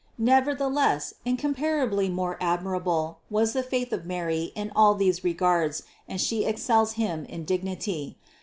Nevertheless in comparably more admirable was the faith of Mary in all these regards and She excels him in dignity.